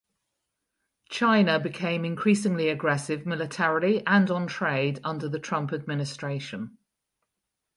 China became increasingly aggressive militarily and on trade under the Trump administration.